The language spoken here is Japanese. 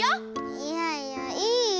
いやいやいいよ。